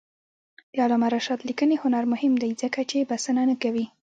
د علامه رشاد لیکنی هنر مهم دی ځکه چې بسنه نه کوي.